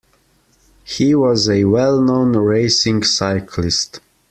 He was a well-known racing cyclist.